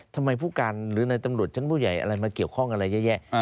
ทำไมผู้การหรือในตำรวจทั้งผู้ใหญ่มาเกี่ยวข้องอะไรแย่